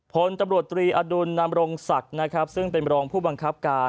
ผลตำรวจตรีอาดุลนำโรงศักดิ์ซึ่งเป็นผู้บังครับการ